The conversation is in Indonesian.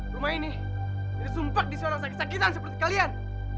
rumah ini disumpak di seorang sakit sakitan seperti kalian